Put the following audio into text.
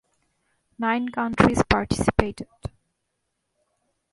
Nine countries participated.